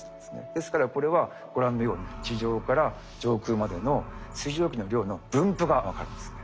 ですからこれはご覧のように地上から上空までの水蒸気の量の分布が分かるんですね。